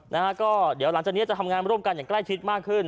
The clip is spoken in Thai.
นะฮะก็เดี๋ยวหลังจากนี้จะทำงานร่วมกันอย่างใกล้ชิดมากขึ้น